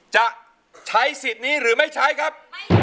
จะใช้สิทธิ์นี้หรือไม่ใช้ครับ